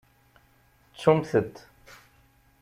Ttumt-t.